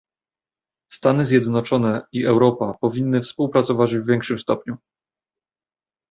Stany Zjednoczone i Europa, powinny współpracować w większym stopniu